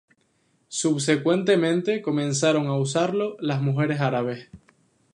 Subsecuentemente comenzaron a usarlo las mujeres árabes.